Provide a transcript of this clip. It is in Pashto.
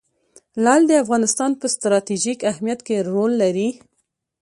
لعل د افغانستان په ستراتیژیک اهمیت کې رول لري.